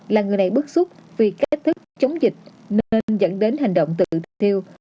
là người này bức xúc vì cách thức chống dịch nên dẫn đến hành động tự thiêu